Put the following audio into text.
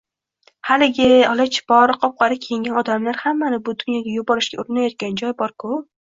Haligi, olachipor, qop-qora kiyingan odamlar hammani bu dunyoga yuborishga urinayotgan joy borku